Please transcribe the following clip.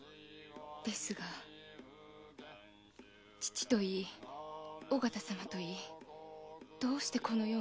ですが父といい尾形様といいどうしてこのような目に。